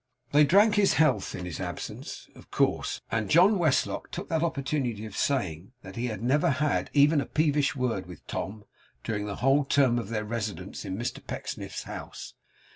They drank his health in his absence, of course; and John Westlock took that opportunity of saying, that he had never had even a peevish word with Tom during the whole term of their residence in Mr Pecksniff's house.